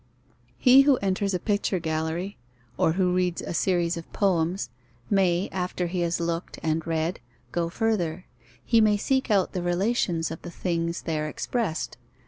He who enters a picture gallery, or who reads a series of poems, may, after he has looked and read, go further: he may seek out the relations of the things there expressed.